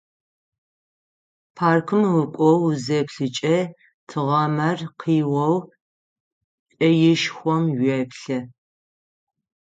Паркым укӏоу узеплъыкӏэ, тыгъамэр къиоу кӏэишхом уеплъэ.